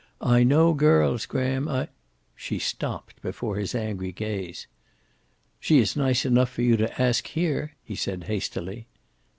I know girls, Graham. I " She stopped, before his angry gaze. "She is nice enough for you to ask here," he said hastily.